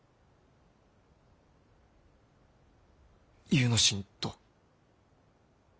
祐之進と。